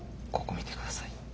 ここ見て下さい。